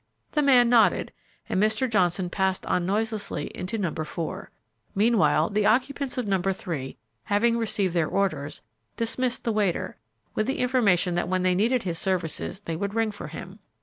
The man nodded, and Mr. Johnson passed on noiselessly into No. 4. Meanwhile, the occupants of No. 3 having received their orders, dismissed the waiter, with the information that when they needed his services they would ring for him.